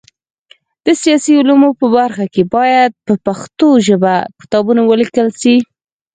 د سیاسي علومو په برخه کي باید په پښتو ژبه کتابونه ولیکل سي.